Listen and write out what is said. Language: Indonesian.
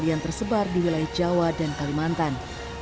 yang tersebar di wilayah jawa dan kalimantan